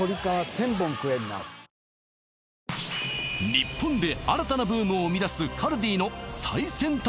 日本で新たなブームを生み出すカルディの最先端